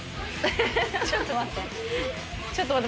ちょっと待って。